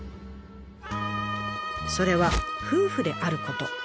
それは夫婦であること。